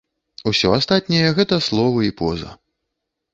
Усё астатняе гэта словы і поза.